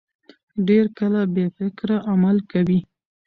ډېر کله بې فکره عمل کوي.